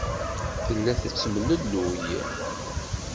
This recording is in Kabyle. Tella tettemlelluy.